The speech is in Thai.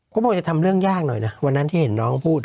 เขาบอกจะทำเรื่องยากหน่อยนะวันนั้นที่เห็นน้องพูด